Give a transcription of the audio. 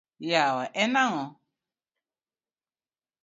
Yawa en ang’o?